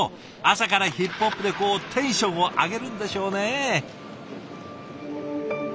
朝からヒップホップでこうテンションを上げるんでしょうね。